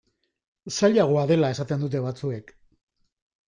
Zailagoa dela esaten dute batzuek.